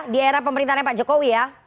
di era pemerintahnya pak jokowi ya